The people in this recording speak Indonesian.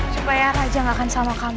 supaya raja gak akan sama kamu